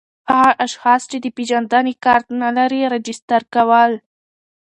هغه اشخاص چي د پېژندني کارت نلري راجستر کول